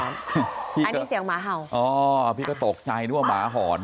อันนี้เสียงหมาหาวดูภัยเรากำลังจะตกใจด้วย